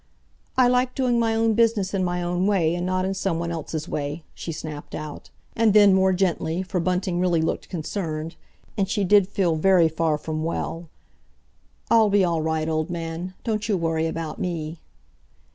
"I like doing my own business in my own way, and not in someone else's way!" she snapped out; and then more gently, for Bunting really looked concerned, and she did feel very far from well, "I'll be all right, old man. Don't you worry about me!"